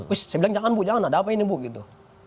wis saya bilang jangan bu jangan ada apa ini bu gitu